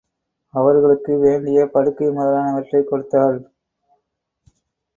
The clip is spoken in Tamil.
அவர்களுக்கு வேண்டிய படுக்கை முதலானவற்றைக் கொடுத்தாள்.